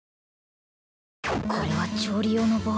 これは調理用の棒